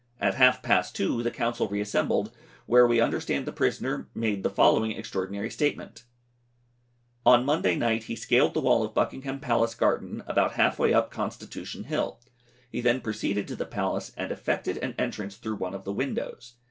At half past two the Council reassembled, when we understand the prisoner made the following extraordinary statement: On Monday night he scaled the wall of Buckingham Palace garden, about half way up Constitution Hill; he then proceeded to the Palace and effected an entrance through one of the windows.